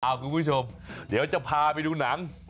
คุณผู้ชมเดี๋ยวจะพาไปดูหนัง